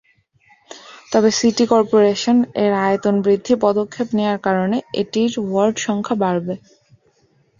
তবে city corporation এর আয়তন বৃদ্ধির পদক্ষেপ নেওয়ার কারণে এটির ওয়ার্ড সংখ্যা বাড়বে।